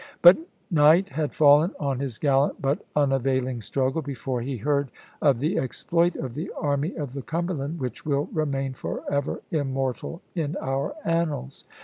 But night had fallen on his gallant but unavailing struggle before he heard of the exploit of the Army of the Cumberland, which will remain forever immortal in our annals.